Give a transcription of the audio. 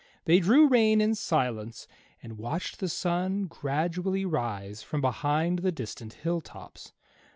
They drew rein in silence and watched the sun gradually rise from behind the distant hill tops.